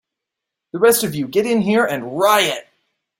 The rest of you get in here and riot!